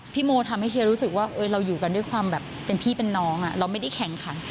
โมทำให้เชียร์รู้สึกว่าเราอยู่กันด้วยความแบบเป็นพี่เป็นน้องเราไม่ได้แข่งขัน